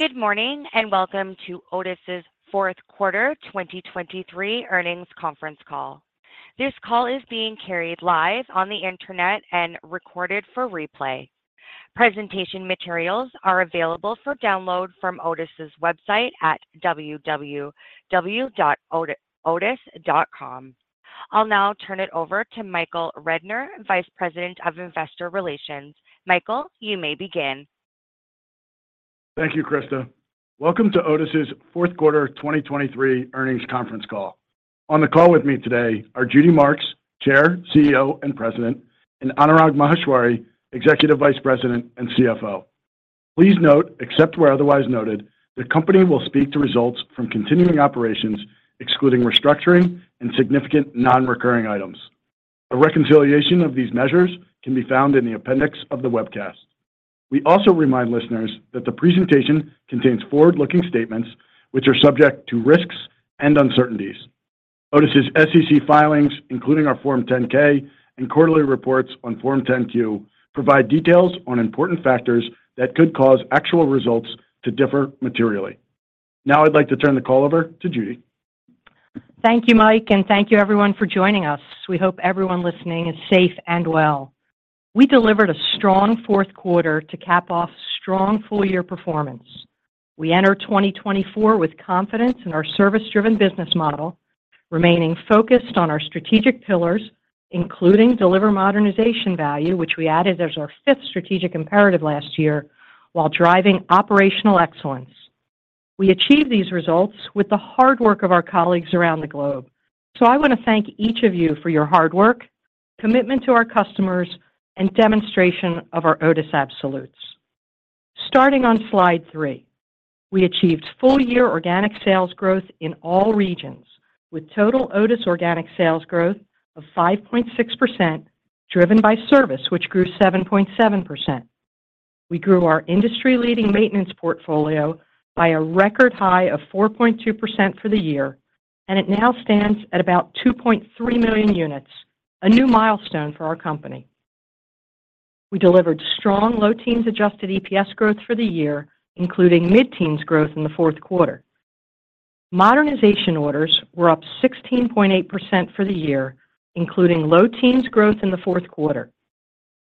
Good morning, and welcome to Otis's fourth quarter 2023 earnings conference call. This call is being carried live on the internet and recorded for replay. Presentation materials are available for download from Otis's website at www.otis.com. I'll now turn it over to Michael Rednor, Vice President of Investor Relations. Michael, you may begin. Thank you, Krista. Welcome to Otis's fourth quarter 2023 earnings conference call. On the call with me today are Judy Marks, Chair, CEO, and President, and Anurag Maheshwari, Executive Vice President and CFO. Please note, except where otherwise noted, the company will speak to results from continuing operations, excluding restructuring and significant non-recurring items. A reconciliation of these measures can be found in the appendix of the webcast. We also remind listeners that the presentation contains forward-looking statements which are subject to risks and uncertainties. Otis's SEC filings, including our Form 10-K and quarterly reports on Form 10-Q, provide details on important factors that could cause actual results to differ materially. Now I'd like to turn the call over to Judy. Thank you, Mike, and thank you everyone for joining us. We hope everyone listening is safe and well. We delivered a strong fourth quarter to cap off strong full-year performance. We enter 2024 with confidence in our service-driven business model, remaining focused on our strategic pillars, including deliver modernization value, which we added as our fifth strategic imperative last year, while driving operational excellence. We achieved these results with the hard work of our colleagues around the globe. So I want to thank each of you for your hard work, commitment to our customers, and demonstration of our Otis Absolutes. Starting on slide three, we achieved full-year organic sales growth in all regions, with total Otis organic sales growth of 5.6%, driven by service, which grew 7.7%. We grew our industry-leading maintenance portfolio by a record high of 4.2% for the year, and it now stands at about 2.3 million units, a new milestone for our company. We delivered strong low teens adjusted EPS growth for the year, including mid-teens growth in the fourth quarter. Modernization orders were up 16.8% for the year, including low teens growth in the fourth quarter.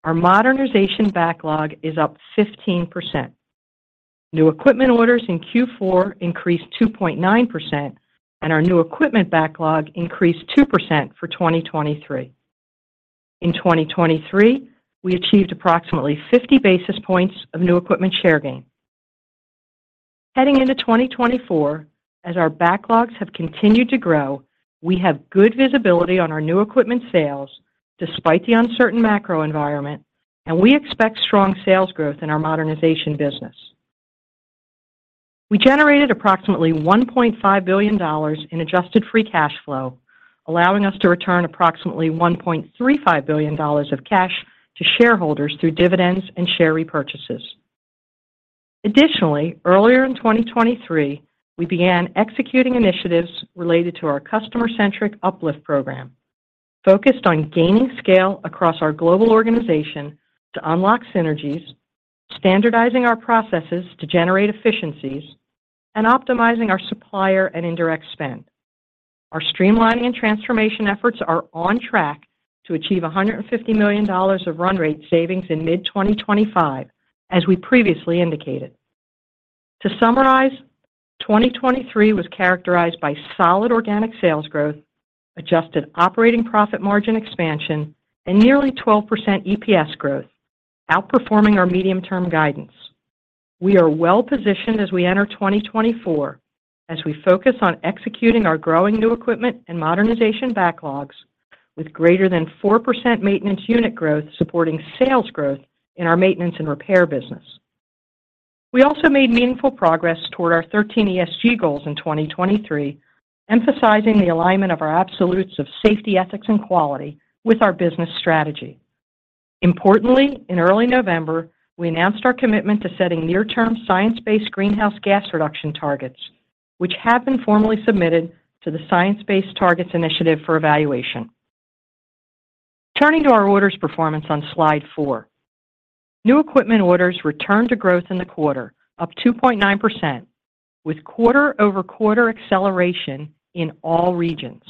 Our modernization backlog is up 15%. New equipment orders in Q4 increased 2.9%, and our new equipment backlog increased 2% for 2023. In 2023, we achieved approximately 50 basis points of new equipment share gain. Heading into 2024, as our backlogs have continued to grow, we have good visibility on our new equipment sales despite the uncertain macro environment, and we expect strong sales growth in our modernization business. We generated approximately $1.5 billion in adjusted free cash flow, allowing us to return approximately $1.35 billion of cash to shareholders through dividends and share repurchases. Additionally, earlier in 2023, we began executing initiatives related to our customer-centric UpLift program, focused on gaining scale across our global organization to unlock synergies, standardizing our processes to generate efficiencies, and optimizing our supplier and indirect spend. Our streamlining and transformation efforts are on track to achieve $150 million of run rate savings in mid-2025, as we previously indicated. To summarize, 2023 was characterized by solid organic sales growth, adjusted operating profit margin expansion, and nearly 12% EPS growth, outperforming our medium-term guidance. We are well-positioned as we enter 2024 as we focus on executing our growing new equipment and modernization backlogs with greater than 4% maintenance unit growth, supporting sales growth in our maintenance and repair business. We also made meaningful progress toward our 13 ESG goals in 2023, emphasizing the alignment of our absolutes of safety, ethics, and quality with our business strategy. Importantly, in early November, we announced our commitment to setting near-term science-based greenhouse gas reduction targets, which have been formally submitted to the Science Based Targets initiative for evaluation. Turning to our orders performance on slide four, new equipment orders returned to growth in the quarter, up 2.9%, with quarter-over-quarter acceleration in all regions.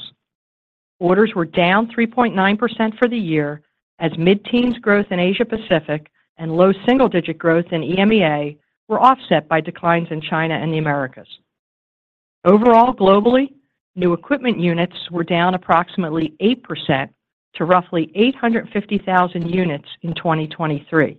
Orders were down 3.9% for the year, as mid-teens growth in Asia Pacific and low single-digit growth in EMEA were offset by declines in China and the Americas. Overall, globally, new equipment units were down approximately 8% to roughly 850,000 units in 2023.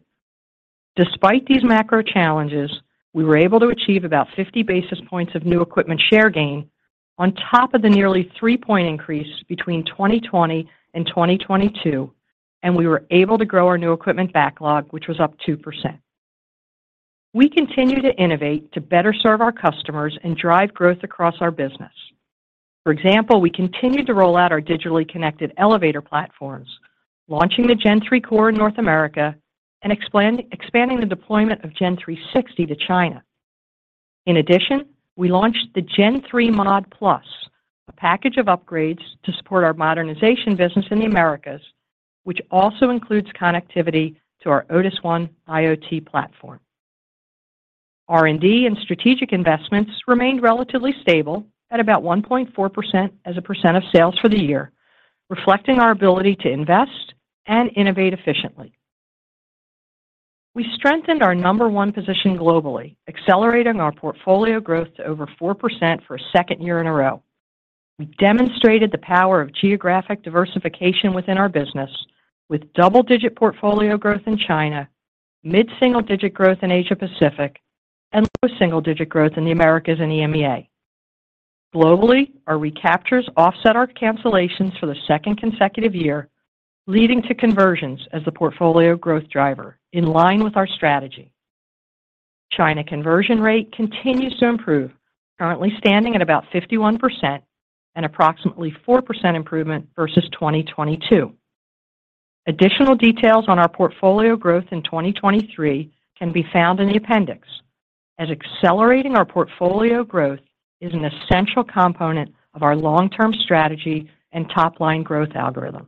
Despite these macro challenges, we were able to achieve about 50 basis points of new equipment share gain on top of the nearly 3-point increase between 2020 and 2022, and we were able to grow our new equipment backlog, which was up 2%. We continue to innovate to better serve our customers and drive growth across our business. For example, we continued to roll out our digitally connected elevator platforms, launching the Gen3 Core in North America and expanding the deployment of Gen360 to China. In addition, we launched the Gen3 MOD Plus, a package of upgrades to support our modernization business in the Americas, which also includes connectivity to our Otis ONE IoT platform. R&D and strategic investments remained relatively stable at about 1.4% as a percent of sales for the year, reflecting our ability to invest and innovate efficiently. We strengthened our number one position globally, accelerating our portfolio growth to over 4% for a second year in a row. We demonstrated the power of geographic diversification within our business, with double-digit portfolio growth in China, mid-single-digit growth in Asia Pacific, and low single-digit growth in the Americas and EMEA. Globally, our recaptures offset our cancellations for the second consecutive year, leading to conversions as the portfolio growth driver in line with our strategy. China conversion rate continues to improve, currently standing at about 51% and approximately 4% improvement versus 2022. Additional details on our portfolio growth in 2023 can be found in the appendix, as accelerating our portfolio growth is an essential component of our long-term strategy and top-line growth algorithm.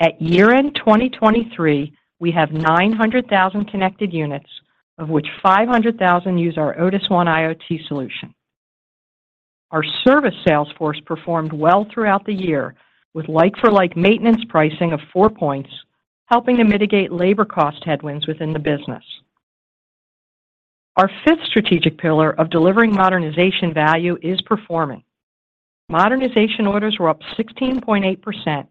At year-end 2023, we have 900,000 connected units, of which 500,000 use our Otis ONE IoT solution. Our service sales force performed well throughout the year, with like-for-like maintenance pricing of 4 points, helping to mitigate labor cost headwinds within the business. Our fifth strategic pillar of delivering modernization value is performing. Modernization orders were up 16.8%,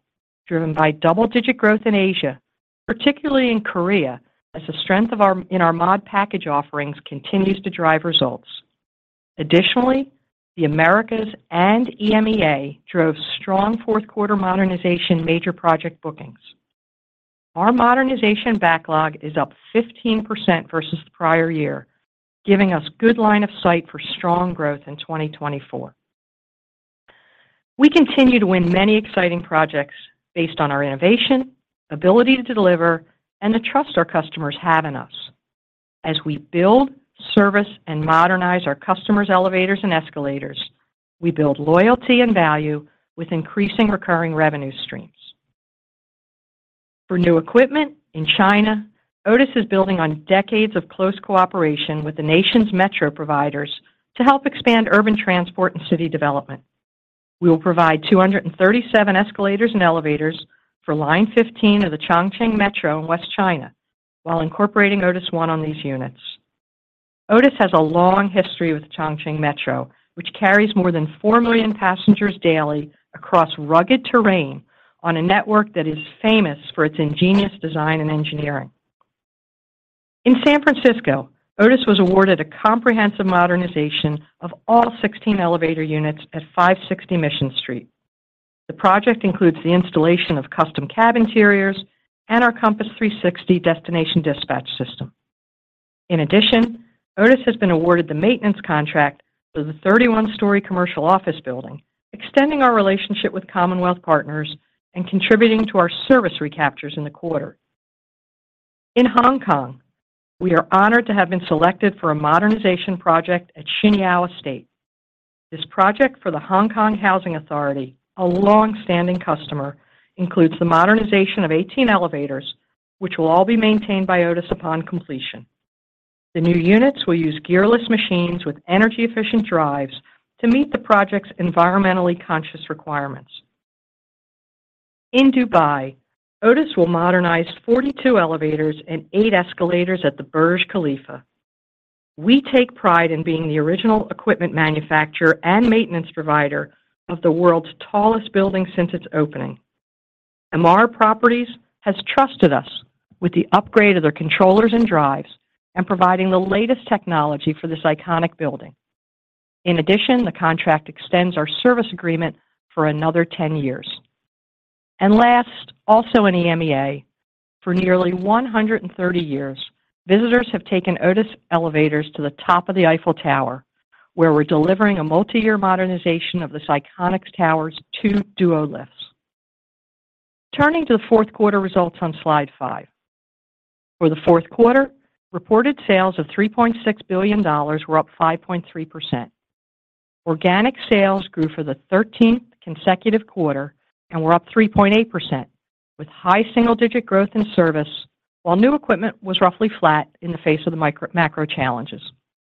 driven by double-digit growth in Asia, particularly in Korea, as the strength of our MOD package offerings continues to drive results. Additionally, the Americas and EMEA drove strong fourth quarter modernization major project bookings. Our modernization backlog is up 15% versus the prior year, giving us good line of sight for strong growth in 2024. We continue to win many exciting projects based on our innovation, ability to deliver, and the trust our customers have in us. As we build, service, and modernize our customers' elevators and escalators, we build loyalty and value with increasing recurring revenue streams. For new equipment in China, Otis is building on decades of close cooperation with the nation's metro providers to help expand urban transport and city development. We will provide 237 escalators and elevators for Line 15 of the Chongqing Metro in West China, while incorporating Otis ONE on these units. Otis has a long history with Chongqing Metro, which carries more than 4 million passengers daily across rugged terrain on a network that is famous for its ingenious design and engineering. In San Francisco, Otis was awarded a comprehensive modernization of all 16 elevator units at 560 Mission Street. The project includes the installation of custom cab interiors and our Compass 360 destination dispatch system. In addition, Otis has been awarded the maintenance contract for the 31-story commercial office building, extending our relationship with Commonwealth Partners and contributing to our service recaptures in the quarter. In Hong Kong, we are honored to have been selected for a modernization project at Tsim Sha Tsui. This project for the Hong Kong Housing Authority, a long-standing customer, includes the modernization of 18 elevators, which will all be maintained by Otis upon completion. The new units will use gearless machines with energy-efficient drives to meet the project's environmentally conscious requirements. In Dubai, Otis will modernize 42 elevators and 8 escalators at the Burj Khalifa. We take pride in being the original equipment manufacturer and maintenance provider of the world's tallest building since its opening. Emaar Properties has trusted us with the upgrade of their controllers and drives and providing the latest technology for this iconic building. In addition, the contract extends our service agreement for another 10 years. And last, also in EMEA, for nearly 130 years, visitors have taken Otis elevators to the top of the Eiffel Tower, where we're delivering a multi-year modernization of this iconic tower's two duolifts. Turning to the fourth quarter results on slide five. For the fourth quarter, reported sales of $3.6 billion were up 5.3%. Organic sales grew for the 13th consecutive quarter and were up 3.8%, with high single-digit growth in service, while new equipment was roughly flat in the face of the macro challenges,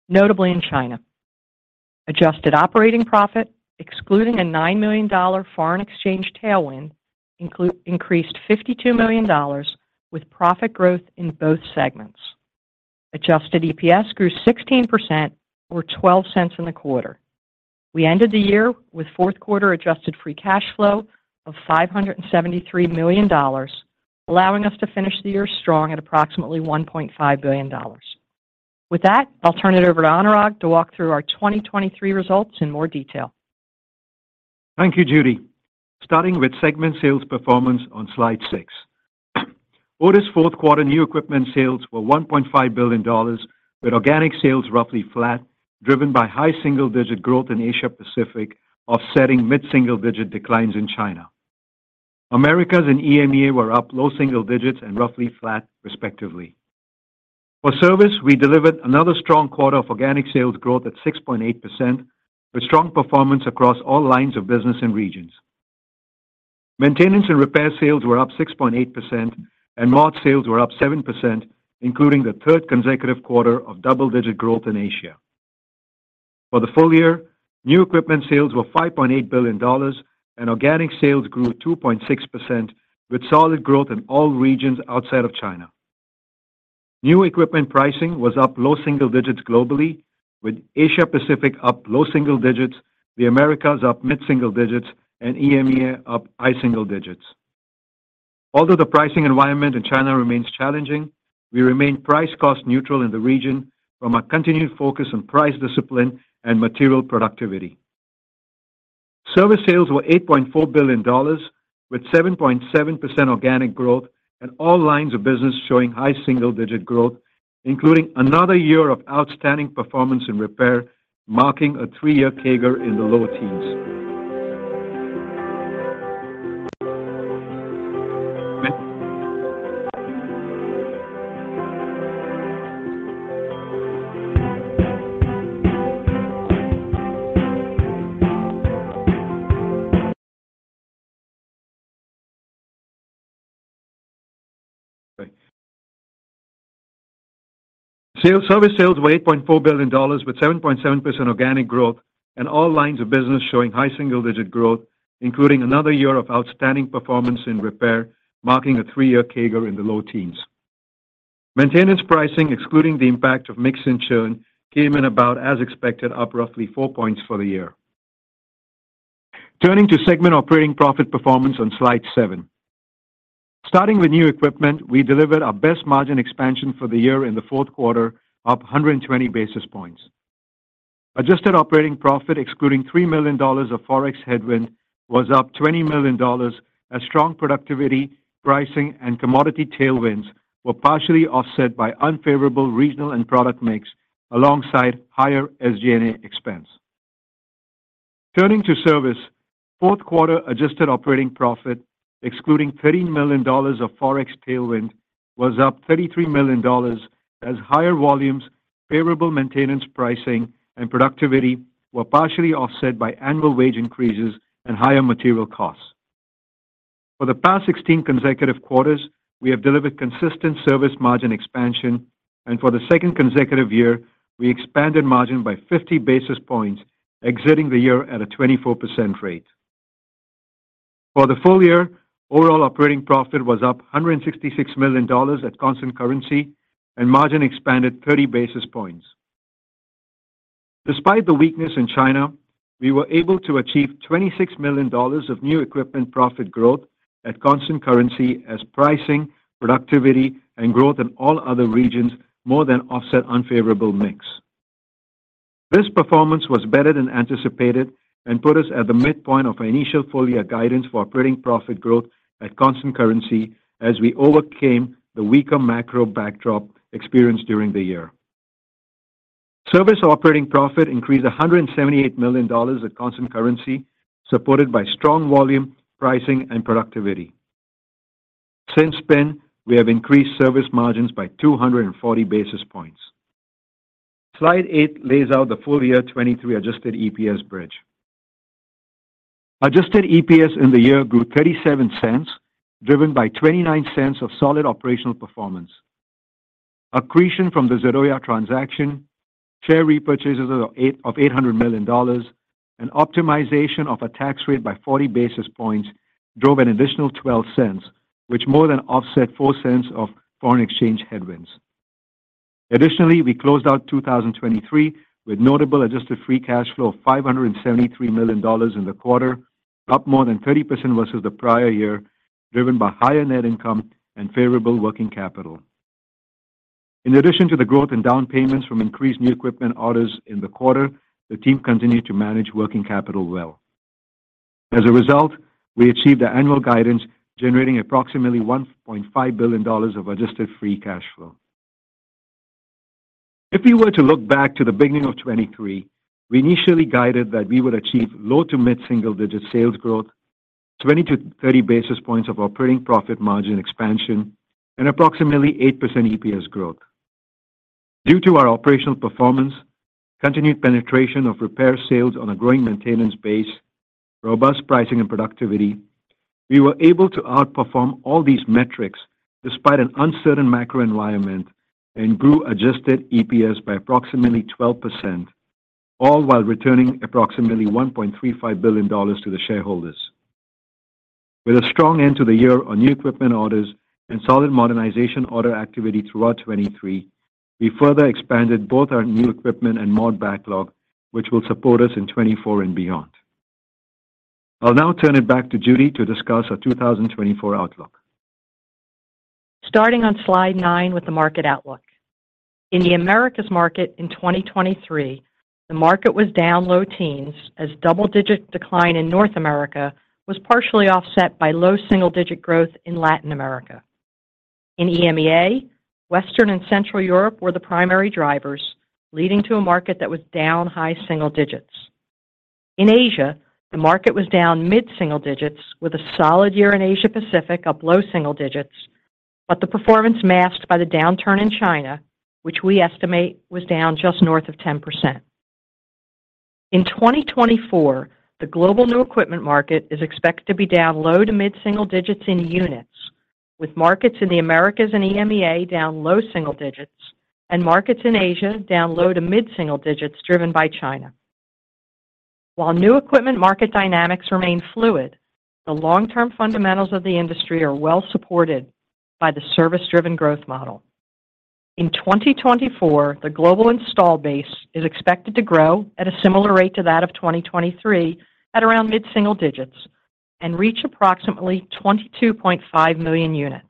notably in China. Adjusted operating profit, excluding a $9 million foreign exchange tailwind, increased $52 million with profit growth in both segments. adjusted EPS grew 16% or $0.12 in the quarter. We ended the year with fourth quarter adjusted free cash flow of $573 million, allowing us to finish the year strong at approximately $1.5 billion. With that, I'll turn it over to Anurag to walk through our 2023 results in more detail. Thank you, Judy. Starting with segment sales performance on slide six. Otis's fourth quarter new equipment sales were $1.5 billion, with organic sales roughly flat, driven by high single-digit growth in Asia Pacific, offsetting mid-single-digit declines in China. Americas and EMEA were up low single digits and roughly flat, respectively. For service, we delivered another strong quarter of organic sales growth at 6.8%, with strong performance across all lines of business and regions. Maintenance and repair sales were up 6.8% and MOD sales were up 7%, including the third consecutive quarter of double-digit growth in Asia. For the full year, new equipment sales were $5.8 billion, and organic sales grew 2.6%, with solid growth in all regions outside of China. New equipment pricing was up low single digits globally, with Asia Pacific up low single digits, the Americas up mid single digits, and EMEA up high single digits. Although the pricing environment in China remains challenging, we remain price cost neutral in the region from our continued focus on price discipline and material productivity. Service sales were $8.4 billion, with 7.7% organic growth, and all lines of business showing high single-digit growth, including another year of outstanding performance in repair, marking a three-year CAGR in the low teens. Service sales were $8.4 billion, with 7.7% organic growth and all lines of business showing high single-digit growth, including another year of outstanding performance in repair, marking a three-year CAGR in the low teens. Maintenance pricing, excluding the impact of mix and churn, came in about as expected, up roughly 4 points for the year. Turning to segment operating profit performance on slide seven. Starting with new equipment, we delivered our best margin expansion for the year in the fourth quarter, up 120 basis points. Adjusted operating profit, excluding $3 million of Forex headwind, was up $20 million, as strong productivity, pricing, and commodity tailwinds were partially offset by unfavorable regional and product mix, alongside higher SG&A expense. Turning to service, fourth quarter adjusted operating profit, excluding $13 million of Forex tailwind, was up $33 million as higher volumes, favorable maintenance pricing, and productivity were partially offset by annual wage increases and higher material costs. For the past 16 consecutive quarters, we have delivered consistent service margin expansion, and for the second consecutive year, we expanded margin by 50 basis points, exiting the year at a 24% rate. For the full year, overall operating profit was up $166 million at constant currency and margin expanded 30 basis points. Despite the weakness in China, we were able to achieve $26 million of new equipment profit growth at constant currency as pricing, productivity, and growth in all other regions more than offset unfavorable mix. This performance was better than anticipated and put us at the midpoint of our initial full-year guidance for operating profit growth at constant currency as we overcame the weaker macro backdrop experienced during the year. Service operating profit increased $178 million at constant currency, supported by strong volume, pricing, and productivity. Since then, we have increased service margins by 240 basis points. slide eight lays out the full year 2023 adjusted EPS bridge. adjusted EPS in the year grew $0.37, driven by $0.29 of solid operational performance. Accretion from the Zardoya transaction, share repurchases of $800 million, and optimization of a tax rate by 40 basis points drove an additional $0.12, which more than offset $0.04 of foreign exchange headwinds. Additionally, we closed out 2023 with notable adjusted free cash flow of $573 million in the quarter, up more than 30% versus the prior year, driven by higher net income and favorable working capital. In addition to the growth in down payments from increased new equipment orders in the quarter, the team continued to manage working capital well. As a result, we achieved our annual guidance, generating approximately $1.5 billion of adjusted free cash flow. If we were to look back to the beginning of 2023, we initially guided that we would achieve low to mid-single-digit sales growth, 20 basis points-30 basis points of operating profit margin expansion, and approximately 8% EPS growth. Due to our operational performance, continued penetration of repair sales on a growing maintenance base, robust pricing and productivity, we were able to outperform all these metrics despite an uncertain macro environment and grew adjusted EPS by approximately 12%, all while returning approximately $1.35 billion to the shareholders. With a strong end to the year on new equipment orders and solid modernization order activity throughout 2023, we further expanded both our new equipment and mod backlog, which will support us in 2024 and beyond. I'll now turn it back to Judy to discuss our 2024 outlook. Starting on slide nine with the market outlook. In the Americas market in 2023, the market was down low teens, as double-digit decline in North America was partially offset by low single-digit growth in Latin America. In EMEA, Western and Central Europe were the primary drivers, leading to a market that was down high single digits. In Asia, the market was down mid-single digits with a solid year in Asia Pacific, up low single digits, but the performance masked by the downturn in China, which we estimate was down just north of 10%. In 2024, the global new equipment market is expected to be down low to mid-single digits in units, with markets in the Americas and EMEA down low single digits and markets in Asia down low to mid-single digits, driven by China. While new equipment market dynamics remain fluid, the long-term fundamentals of the industry are well supported by the service-driven growth model. In 2024, the global install base is expected to grow at a similar rate to that of 2023 at around mid-single digits and reach approximately 22.5 million units.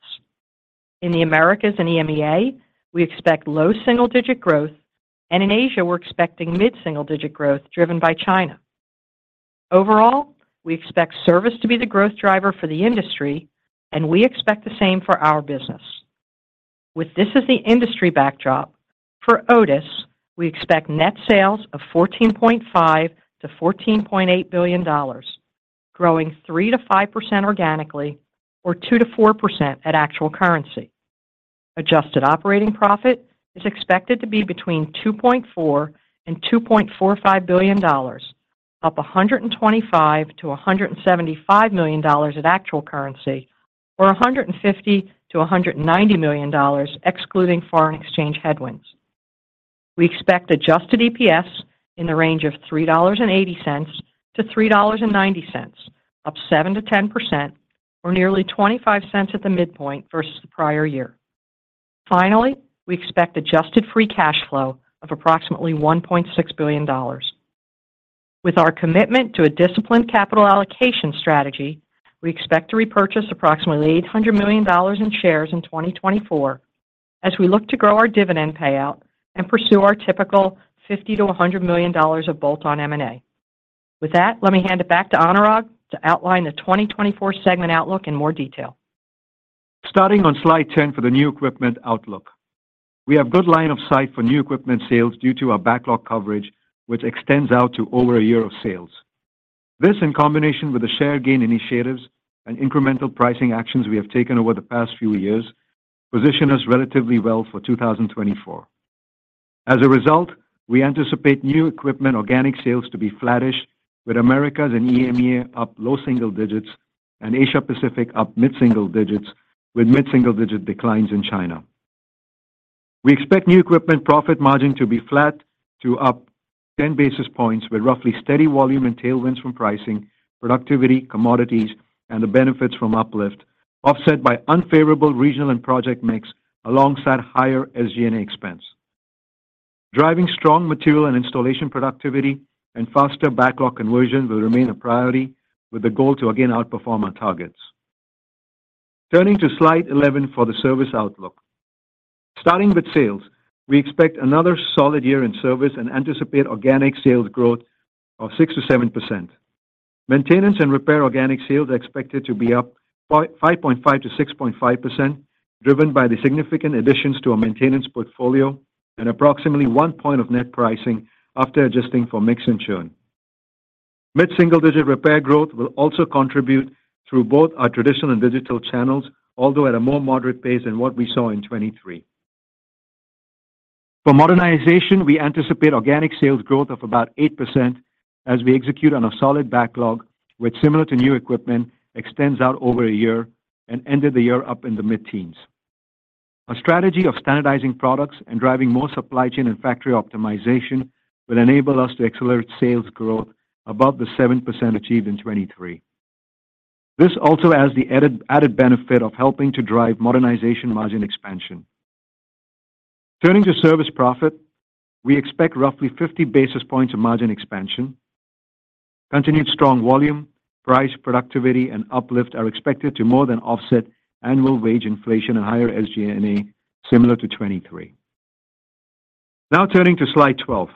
In the Americas and EMEA, we expect low single-digit growth, and in Asia, we're expecting mid-single-digit growth driven by China. Overall, we expect service to be the growth driver for the industry, and we expect the same for our business. With this as the industry backdrop, for Otis, we expect net sales of $14.5 billion-$14.8 billion, growing 3%-5% organically or 2%-4% at actual currency. Adjusted operating profit is expected to be between $2.4 billion and $2.45 billion, up $125 million-$175 million at actual currency, or $150 million-$190 million excluding foreign exchange headwinds. We expect adjusted EPS in the range of $3.80-$3.90, up 7%-10%, or nearly $0.25 at the midpoint versus the prior year. Finally, we expect adjusted free cash flow of approximately $1.6 billion. With our commitment to a disciplined capital allocation strategy, we expect to repurchase approximately $800 million in shares in 2024 as we look to grow our dividend payout and pursue our typical $50 million-$100 million of bolt-on M&A. With that, let me hand it back to Anurag to outline the 2024 segment outlook in more detail. Starting on slide 10 for the new equipment outlook. We have good line of sight for new equipment sales due to our backlog coverage, which extends out to over a year of sales. This, in combination with the share gain initiatives and incremental pricing actions we have taken over the past few years, position us relatively well for 2024. As a result, we anticipate new equipment organic sales to be flattish, with Americas and EMEA up low single digits and Asia Pacific up mid-single digits, with mid-single-digit declines in China. We expect new equipment profit margin to be flat to up 10 basis points, with roughly steady volume and tailwinds from pricing, productivity, commodities, and the benefits from UpLift, offset by unfavorable regional and project mix alongside higher SG&A expense. Driving strong material and installation productivity and faster backlog conversion will remain a priority, with the goal to again outperform our targets. Turning to slide 11 for the service outlook. Starting with sales, we expect another solid year in service and anticipate organic sales growth of 6%-7%. Maintenance and repair organic sales are expected to be up by 5.5%-6.5%, driven by the significant additions to our maintenance portfolio and approximately 1 point of net pricing after adjusting for mix and churn. Mid-single-digit repair growth will also contribute through both our traditional and digital channels, although at a more moderate pace than what we saw in 2023. For modernization, we anticipate organic sales growth of about 8% as we execute on a solid backlog, which, similar to new equipment, extends out over a year and ended the year up in the mid-teens. A strategy of standardizing products and driving more supply chain and factory optimization will enable us to accelerate sales growth above the 7% achieved in 2023. This also has the added, added benefit of helping to drive modernization margin expansion. Turning to service profit, we expect roughly 50 basis points of margin expansion. Continued strong volume, price, productivity, and uplift are expected to more than offset annual wage inflation and higher SG&A, similar to 2023. Now turning to slide 12.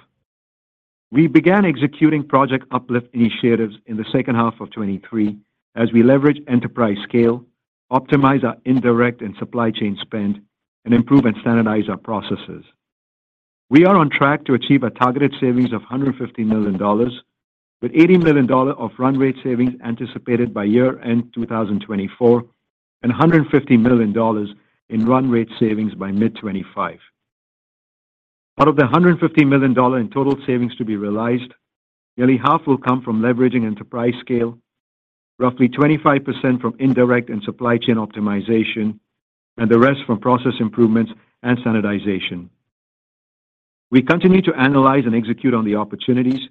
We began executing Project UpLift initiatives in the second half of 2023 as we leverage enterprise scale, optimize our indirect and supply chain spend, and improve and standardize our processes. We are on track to achieve a targeted savings of $150 million, with $80 million of run rate savings anticipated by year-end 2024, and $150 million in run rate savings by mid-2025. Out of the $150 million in total savings to be realized, nearly half will come from leveraging enterprise scale, roughly 25% from indirect and supply chain optimization, and the rest from process improvements and standardization. We continue to analyze and execute on the opportunities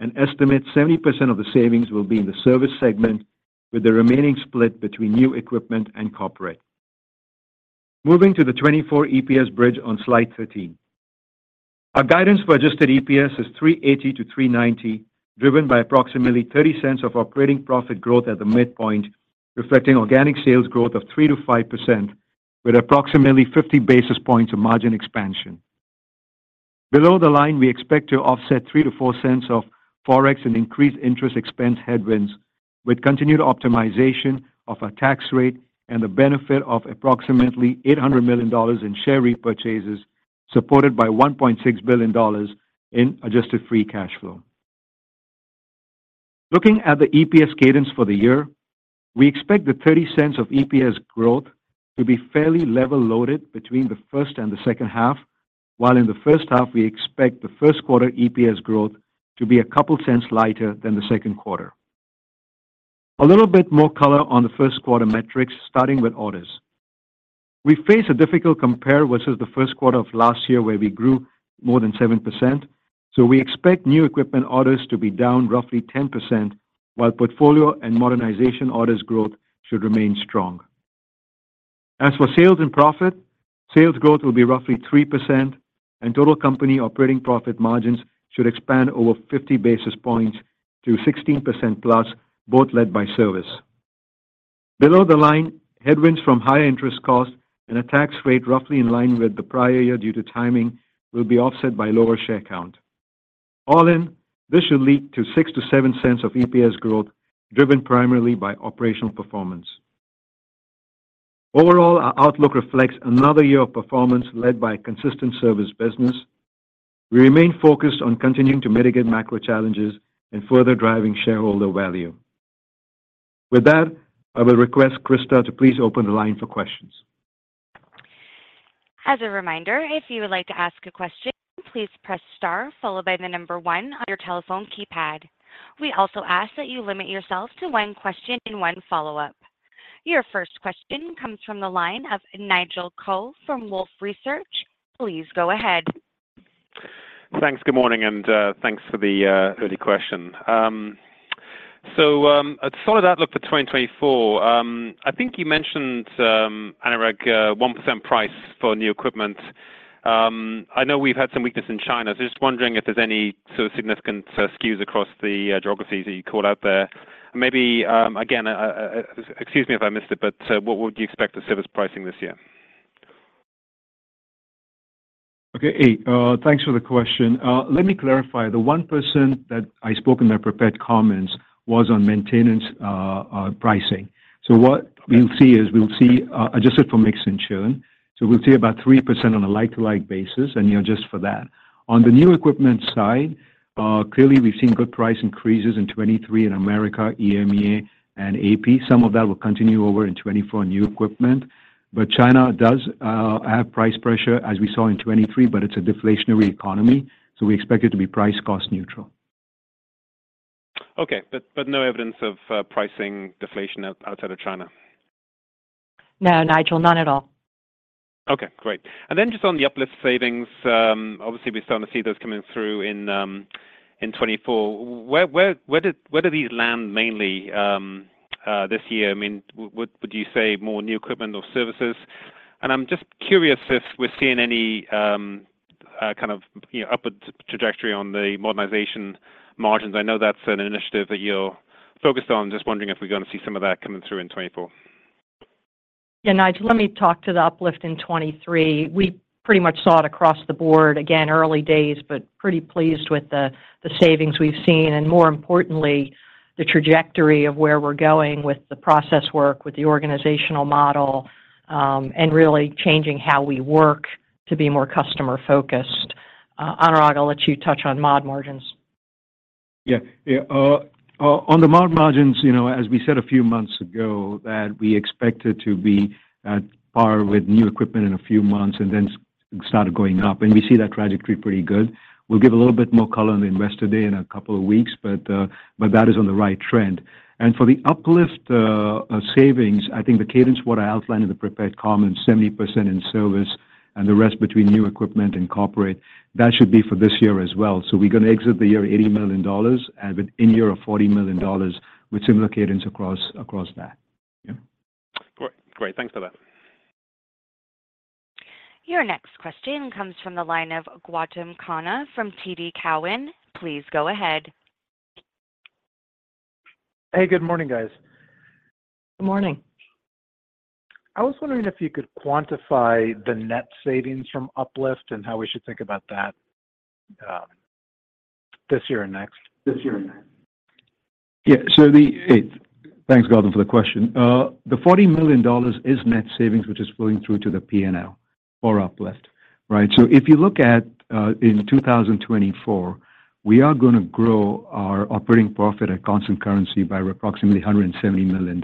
and estimate 70% of the savings will be in the service segment, with the remaining split between new equipment and corporate. Moving to the 2024 EPS bridge on slide 13. Our guidance for adjusted EPS is $3.80-$3.90, driven by approximately 30 cents of operating profit growth at the midpoint, reflecting organic sales growth of 3%-5% with approximately 50 basis points of margin expansion. Below the line, we expect to offset $0.03-$0.04 of Forex and increased interest expense headwinds with continued optimization of our tax rate and the benefit of approximately $800 million in share repurchases supported by $1.6 billion in adjusted free cash flow. Looking at the EPS cadence for the year, we expect the $0.30 of EPS growth to be fairly level loaded between the first and the second half, while in the first half, we expect the first quarter EPS growth to be a couple cents lighter than the second quarter. A little bit more color on the first quarter metrics, starting with orders. We face a difficult compare, which is the first quarter of last year, where we grew more than 7%, so we expect new equipment orders to be down roughly 10%, while portfolio and modernization orders growth should remain strong. As for sales and profit, sales growth will be roughly 3%, and total company operating profit margins should expand over 50 basis points to 16% plus, both led by service. Below the line, headwinds from higher interest costs and a tax rate roughly in line with the prior year due to timing, will be offset by lower share count. All in, this should lead to $0.06-$0.07 of EPS growth, driven primarily by operational performance. Overall, our outlook reflects another year of performance led by consistent service business. We remain focused on continuing to mitigate macro challenges and further driving shareholder value. With that, I will request Krista to please open the line for questions. As a reminder, if you would like to ask a question, please press star followed by the number one on your telephone keypad. We also ask that you limit yourself to one question and one follow-up. Your first question comes from the line of Nigel Coe from Wolfe Research. Please go ahead. Thanks. Good morning, and, thanks for the early question. So, a solid outlook for 2024. I think you mentioned, Anurag, 1% price for new equipment. I know we've had some weakness in China, so just wondering if there's any sort of significant skews across the geographies that you called out there. Maybe, again, excuse me if I missed it, but, what would you expect for service pricing this year? Okay. Hey, thanks for the question. Let me clarify. The one percent that I spoke in my prepared comments was on maintenance pricing. So what we'll see is, adjusted for mix and churn. So we'll see about 3% on a like-for-like basis, and, you know, just for that. On the new equipment side, clearly we've seen good price increases in 2023 in Americas, EMEA and AP. Some of that will continue over in 2024 new equipment, but China does have price pressure, as we saw in 2023, but it's a deflationary economy, so we expect it to be price cost neutral. Okay. But no evidence of pricing deflation outside of China? No, Nigel, none at all. Okay, great. And then just on the UpLift savings, obviously we're starting to see those coming through in 2024. Where do these land mainly this year? I mean, would you say more new equipment or services? And I'm just curious if we're seeing any kind of, you know, upward trajectory on the modernization margins. I know that's an initiative that you're focused on. Just wondering if we're going to see some of that coming through in 2024. Yeah, Nigel, let me talk to the UpLift in 2023. We pretty much saw it across the board. Again, early days, but pretty pleased with the savings we've seen, and more importantly, the trajectory of where we're going with the process work, with the organizational model, and really changing how we work to be more customer-focused. Anurag, I'll let you touch on MOD margins. Yeah. Yeah, on the MOD margins, you know, as we said a few months ago, that we expected to be at par with new equipment in a few months and then started going up, and we see that trajectory pretty good. We'll give a little bit more color on the Investor Day in a couple of weeks, but, but that is on the right trend. And for the uplift, savings, I think the cadence, what I outlined in the prepared comments, 70% in service and the rest between new equipment and corporate, that should be for this year as well. So we're going to exit the year $80 million and with in year of $40 million with similar cadence across, across that. Yeah. Great. Great, thanks for that. Your next question comes from the line of Gautam Khanna from TD Cowen. Please go ahead. Hey, good morning, guys. Good morning. I was wondering if you could quantify the net savings from UpLift and how we should think about that, this year and next. This year and next. Yeah. Hey, thanks, Gautam, for the question. The $40 million is net savings, which is flowing through to the PNL for UpLift, right? So if you look at, in 2024, we are gonna grow our operating profit at constant currency by approximately $170 million.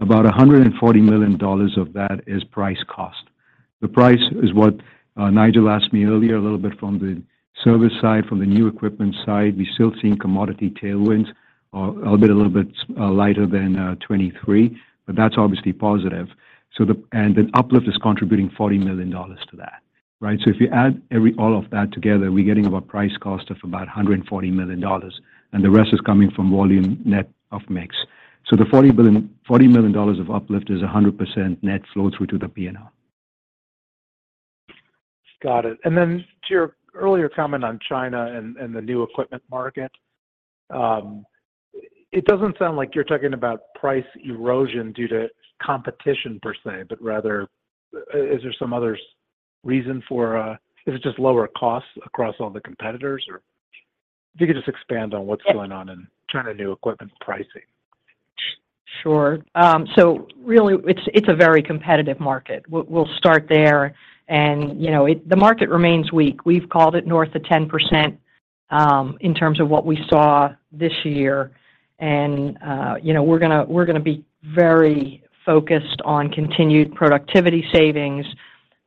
About $140 million of that is price cost. The price is what, Nigel asked me earlier, a little bit from the service side, from the new equipment side. We're still seeing commodity tailwinds, a bit, a little bit, lighter than 2023, but that's obviously positive. So the and then UpLift is contributing $40 million to that, right? So if you add all of that together, we're getting about price-cost of about $140 million, and the rest is coming from volume net of mix. So the $40 million of uplift is 100% net flow through to the P&L. Got it. And then to your earlier comment on China and the new equipment market, it doesn't sound like you're talking about price erosion due to competition per se, but rather, is there some other reason for. Is it just lower costs across all the competitors, or? If you could just expand on what's- Yes going on in China, new equipment pricing. Sure. So really, it's a very competitive market. We'll start there, and, you know, the market remains weak. We've called it north of 10%, in terms of what we saw this year. And, you know, we're gonna be very focused on continued productivity savings.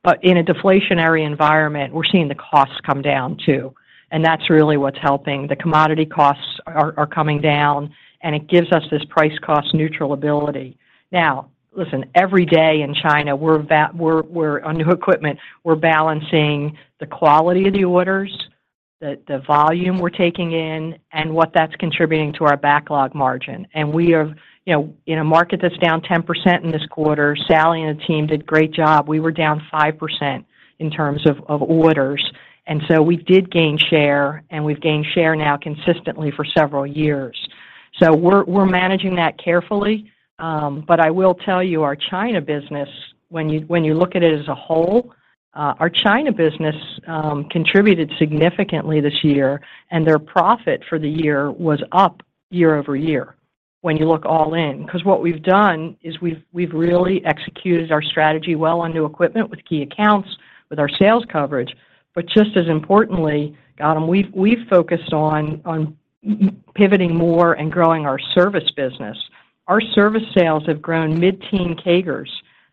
But in a deflationary environment, we're seeing the costs come down, too, and that's really what's helping. The commodity costs are coming down, and it gives us this price-cost neutral ability. Now, listen, every day in China, we're on new equipment, we're balancing the quality of the orders, the volume we're taking in, and what that's contributing to our backlog margin. And we are, you know, in a market that's down 10% in this quarter, Sally and the team did a great job. We were down 5% in terms of, of orders, and so we did gain share, and we've gained share now consistently for several years. So we're, we're managing that carefully. But I will tell you, our China business, when you, when you look at it as a whole, our China business, contributed significantly this year, and their profit for the year was up year-over-year when you look all in. 'Cause what we've done is we've, we've really executed our strategy well on new equipment with key accounts, with our sales coverage. But just as importantly, Gautam, we've, we've focused on, on pivoting more and growing our service business. Our service sales have grown mid-teen CAGRs,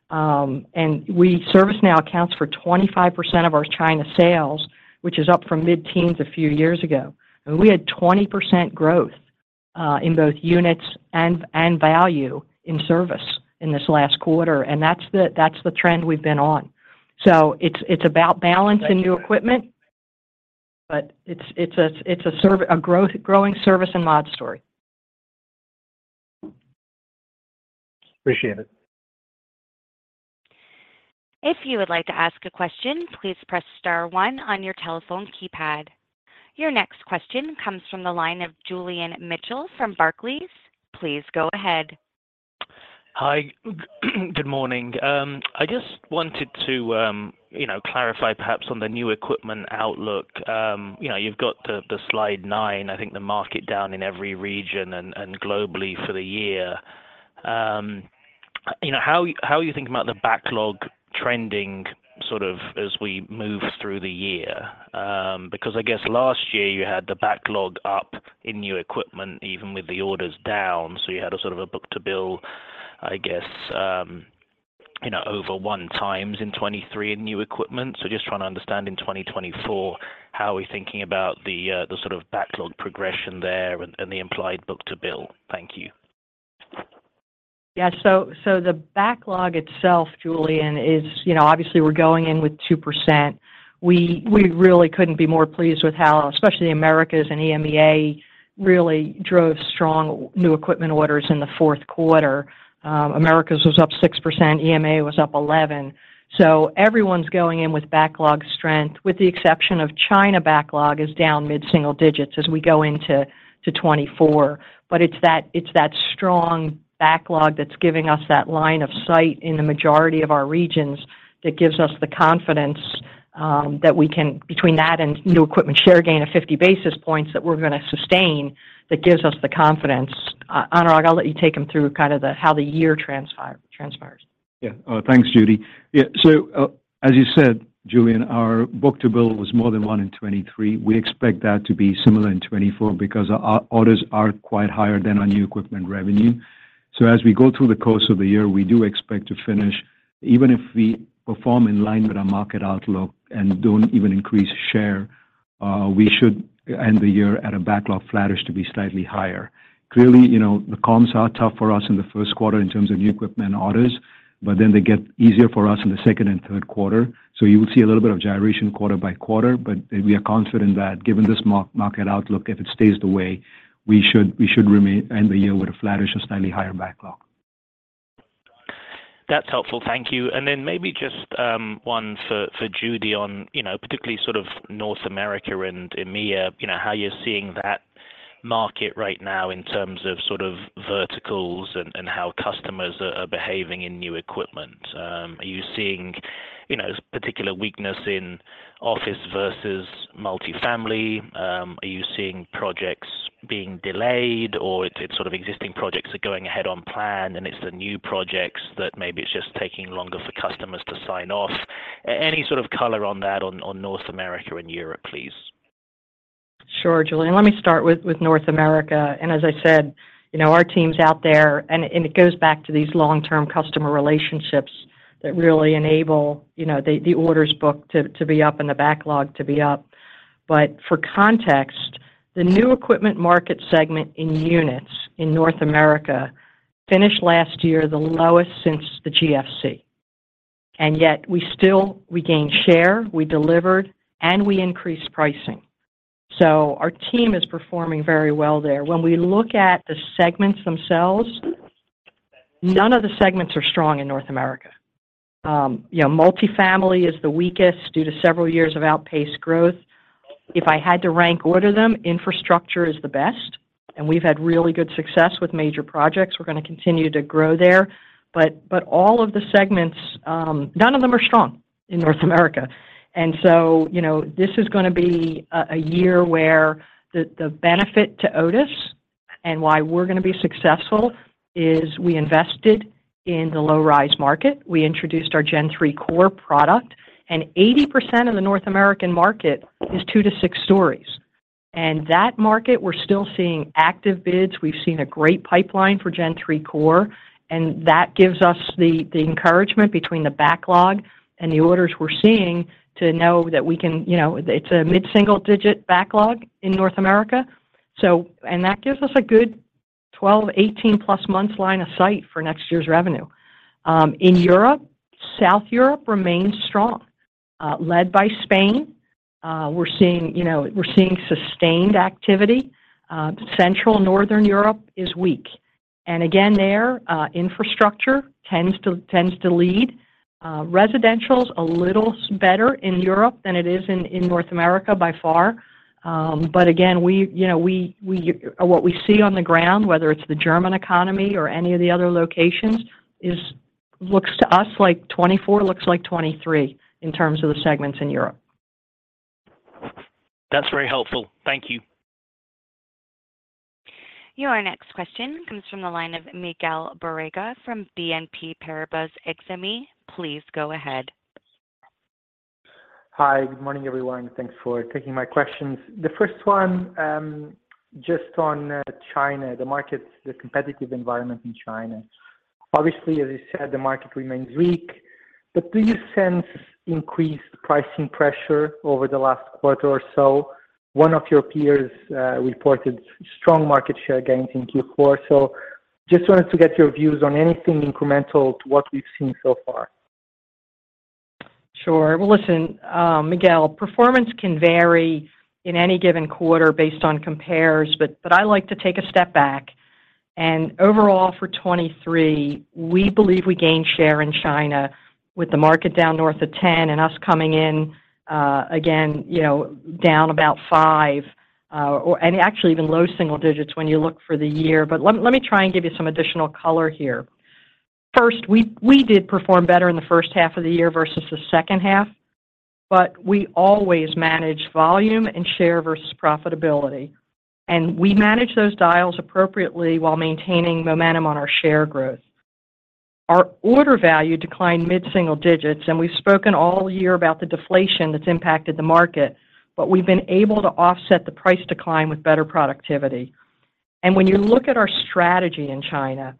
and service now accounts for 25% of our China sales, which is up from mid-teens a few years ago. We had 20% growth in both units and value in service in this last quarter, and that's the trend we've been on. So it's about balance in new equipment, but it's a growing service and mod story. Appreciate it. If you would like to ask a question, please press star one on your telephone keypad. Your next question comes from the line of Julian Mitchell from Barclays. Please go ahead. Hi. Good morning. I just wanted to, you know, clarify perhaps on the new equipment outlook. You know, you've got the, the slide nine, I think, the market down in every region and, and globally for the year. You know, how, how are you thinking about the backlog trending sort of as we move through the year? Because I guess last year you had the backlog up in new equipment, even with the orders down, so you had a sort of a book to bill, I guess, you know, over 1x in 2023 in new equipment. So just trying to understand in 2024, how are we thinking about the, the sort of backlog progression there and, and the implied book to bill? Thank you. Yeah. So, so the backlog itself, Julian, is, you know, obviously we're going in with 2%. We, we really couldn't be more pleased with how, especially Americas and EMEA, really drove strong new equipment orders in the fourth quarter. Americas was up 6%, EMEA was up 11%. So everyone's going in with backlog strength, with the exception of China backlog is down mid-single digits as we go into 2024. But it's that, it's that strong backlog that's giving us that line of sight in the majority of our regions, that gives us the confidence, that we can between that and new equipment share gain of 50 basis points, that we're gonna sustain, that gives us the confidence. Anurag, I'll let you take them through kind of how the year transpire, transpires. Yeah. Thanks, Judy. Yeah. So, as you said, Julian, our book-to-bill was more than one in 2023. We expect that to be similar in 2024 because our orders are quite higher than our new equipment revenue. So as we go through the course of the year, we do expect to finish, even if we perform in line with our market outlook and don't even increase share, we should end the year at a backlog flattish to slightly higher. Clearly, you know, the comps are tough for us in the first quarter in terms of new equipment orders, but then they get easier for us in the second and third quarter. So you will see a little bit of gyration quarter-by-quarter, but we are confident that given this market outlook, if it stays the way, we should, we should remain end the year with a flattish or slightly higher backlog. That's helpful. Thank you. And then maybe just one for Judy on, you know, particularly sort of North America and EMEA, you know, how you're seeing that market right now in terms of sort of verticals and how customers are behaving in new equipment. Are you seeing, you know, particular weakness in office versus multifamily? Are you seeing projects being delayed, or it's sort of existing projects are going ahead on plan, and it's the new projects that maybe it's just taking longer for customers to sign off? Any sort of color on that on North America and Europe, please. Sure, Julian. Let me start with North America. As I said, you know, our teams out there, and it goes back to these long-term customer relationships that really enable, you know, the order book to be up and the backlog to be up. But for context, the new equipment market segment in units in North America finished last year the lowest since the GFC. Yet we still we gained share, we delivered, and we increased pricing. So our team is performing very well there. When we look at the segments themselves, none of the segments are strong in North America. You know, multifamily is the weakest due to several years of outpaced growth. If I had to rank order them, infrastructure is the best, and we've had really good success with major projects. We're gonna continue to grow there. But all of the segments, none of them are strong in North America. And so, you know, this is gonna be a year where the benefit to Otis and why we're gonna be successful is we invested in the low-rise market. We introduced our Gen3 Core product, and 80% of the North American market is two to six stories. And that market, we're still seeing active bids. We've seen a great pipeline for Gen3 Core, and that gives us the encouragement between the backlog and the orders we're seeing to know that we can—you know, it's a mid-single digit backlog in North America. So and that gives us a good 12 months-18+ months line of sight for next year's revenue. In Europe, South Europe remains strong, led by Spain. We're seeing, you know, we're seeing sustained activity. Central, Northern Europe is weak, and again, there, infrastructure tends to lead. Residential's a little better in Europe than it is in North America by far. But again, we, you know, what we see on the ground, whether it's the German economy or any of the other locations, looks to us like 2024 looks like 2023 in terms of the segments in Europe. That's very helpful. Thank you. Your next question comes from the line of Miguel Borrega from BNP Paribas Exane. Please go ahead. Hi. Good morning, everyone. Thanks for taking my questions. The first one, just on, China, the market, the competitive environment in China. Obviously, as you said, the market remains weak, but do you sense increased pricing pressure over the last quarter or so? One of your peers, reported strong market share gains in Q4. So just wanted to get your views on anything incremental to what we've seen so far. Sure. Well, listen, Miguel, performance can vary in any given quarter based on compares, but I like to take a step back, and overall, for 2023, we believe we gained share in China with the market down north of 10%, and us coming in, again, you know, down about 5%, and actually even low single digits when you look for the year. But let me try and give you some additional color here. First, we did perform better in the first half of the year versus the second half, but we always manage volume and share versus profitability, and we manage those dials appropriately while maintaining momentum on our share growth. Our order value declined mid-single digits, and we've spoken all year about the deflation that's impacted the market, but we've been able to offset the price decline with better productivity. When you look at our strategy in China,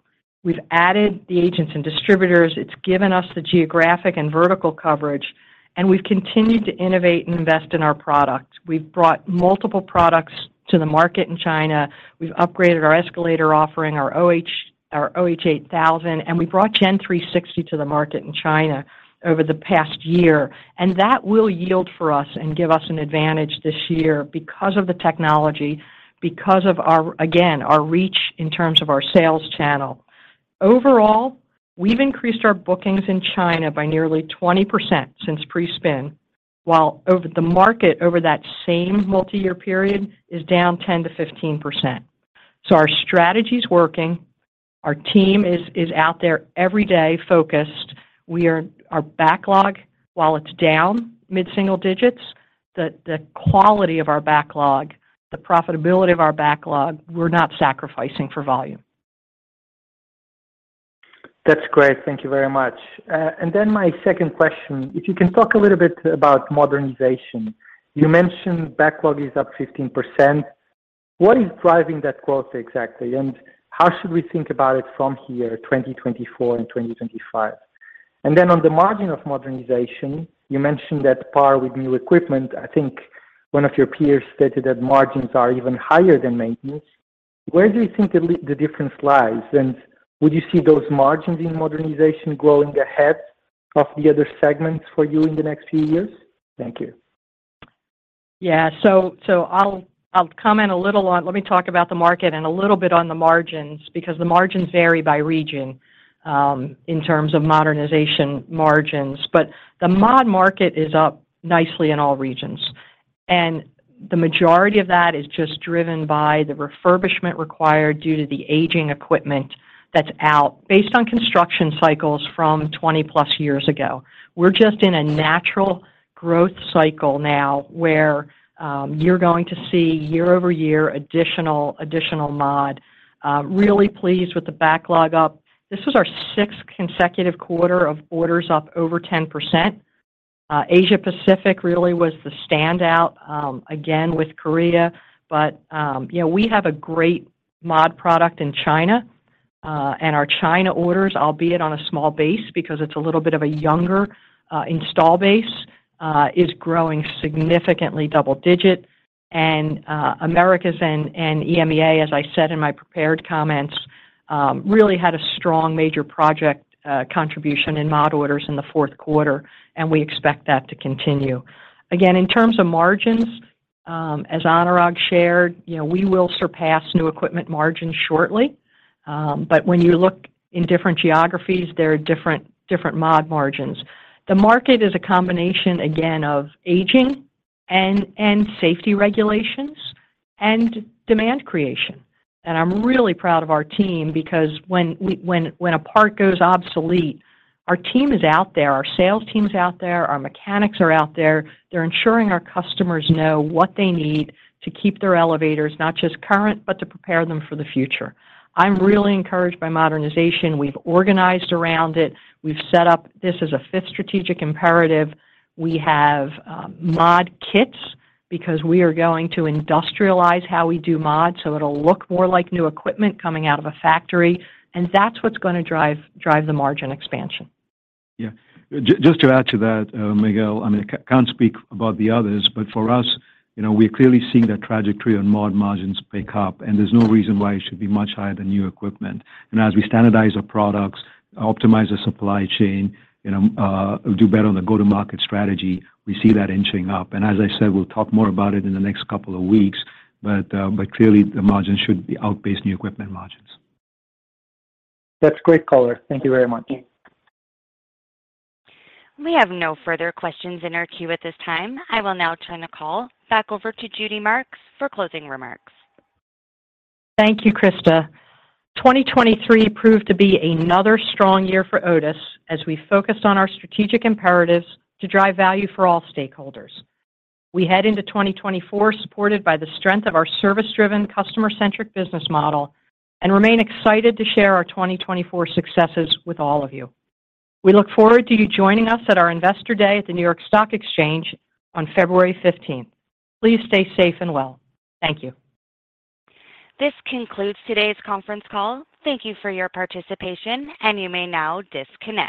we've added the agents and distributors, it's given us the geographic and vertical coverage, and we've continued to innovate and invest in our products. We've brought multiple products to the market in China. We've upgraded our escalator, offering our OH, our OH8000, and we brought Gen360 to the market in China over the past year, and that will yield for us and give us an advantage this year because of the technology, because of our, again, our reach in terms of our sales channel. Overall, we've increased our bookings in China by nearly 20% since pre-spin, while over the market, over that same multi-year period, is down 10%-15%. So our strategy's working. Our team is, is out there every day, focused. Our backlog, while it's down mid-single digits, the quality of our backlog, the profitability of our backlog, we're not sacrificing for volume. That's great. Thank you very much. And then my second question, if you can talk a little bit about modernization? You mentioned backlog is up 15%. What is driving that growth, exactly? And how should we think about it from here, 2024 and 2025? And then on the margin of modernization, you mentioned that par with new equipment, I think one of your peers stated that margins are even higher than maintenance. Where do you think the difference lies? And would you see those margins in modernization growing ahead of the other segments for you in the next few years? Thank you. Yeah. So I'll comment a little on. Let me talk about the market and a little bit on the margins, because the margins vary by region, in terms of modernization margins. But the mod market is up nicely in all regions, and the majority of that is just driven by the refurbishment required due to the aging equipment that's out. Based on construction cycles from 20+ years ago, we're just in a natural growth cycle now, where you're going to see year-over-year additional mod. Really pleased with the backlog up. This was our sixth consecutive quarter of orders up over 10%. Asia Pacific really was the standout, again, with Korea. But, you know, we have a great mod product in China, and our China orders, albeit on a small base, because it's a little bit of a younger, install base, is growing significantly double digit. And, Americas and EMEA, as I said in my prepared comments, really had a strong major project, contribution in mod orders in the fourth quarter, and we expect that to continue. Again, in terms of margins, as Anurag shared, you know, we will surpass new equipment margins shortly, but when you look in different geographies, there are different, different MOD margins. The market is a combination, again, of aging and safety regulations and demand creation. I'm really proud of our team because when a part goes obsolete, our team is out there, our sales team is out there, our mechanics are out there. They're ensuring our customers know what they need to keep their elevators, not just current, but to prepare them for the future. I'm really encouraged by modernization. We've organized around it. We've set up this as a fifth strategic imperative. We have MOD kits because we are going to industrialize how we do MODs, so it'll look more like new equipment coming out of a factory, and that's what's gonna drive the margin expansion. Yeah. Just to add to that, Miguel, I mean, I can't speak about the others, but for us, you know, we're clearly seeing that trajectory on MOD margins pick up, and there's no reason why it should be much higher than new equipment. And as we standardize our products, optimize the supply chain, you know, do better on the go-to-market strategy, we see that inching up. And as I said, we'll talk more about it in the next couple of weeks, but, but clearly, the margins should outpace new equipment margins. That's great color. Thank you very much. We have no further questions in our queue at this time. I will now turn the call back over to Judy Marks for closing remarks. Thank you, Krista. 2023 proved to be another strong year for Otis as we focused on our strategic imperatives to drive value for all stakeholders. We head into 2024, supported by the strength of our service-driven, customer-centric business model, and remain excited to share our 2024 successes with all of you. We look forward to you joining us at our Investor Day at the New York Stock Exchange on February 15th. Please stay safe and well. Thank you. This concludes today's conference call. Thank you for your participation, and you may now disconnect.